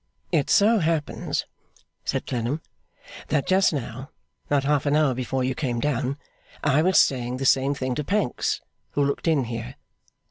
'It so happens,' said Clennam, 'that just now, not half an hour before you came down, I was saying the same thing to Pancks, who looked in here.